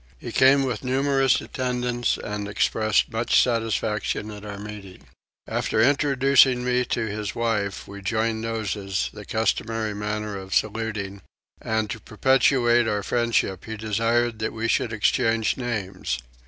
He came with numerous attendants and expressed much satisfaction at our meeting. After introducing his wife to me we joined noses, the customary manner of saluting, and to perpetuate our friendship he desired we should exchange names.